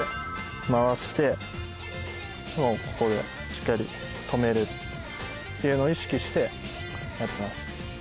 回してしっかり止めるっていうのを意識してやってます。